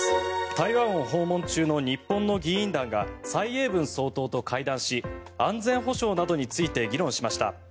台湾を訪問中の日本の議員団が蔡英文総統と会談し安全保障などについて議論しました。